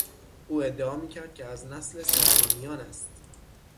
او ادعا میکرد که از نسل ساسانیان است.